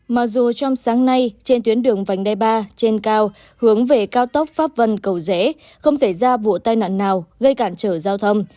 mặc dù trong sáng nay trên tuyến đường vành đai ba trên cao hướng về cao tốc pháp vân cầu rẽ không xảy ra vụ tai nạn nào gây cản trở giao thông